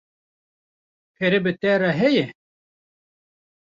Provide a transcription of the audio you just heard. Pere bi te re heye?